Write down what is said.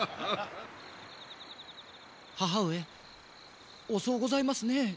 母上遅うございますねえ